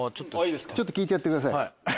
ちょっと聴いてやってください。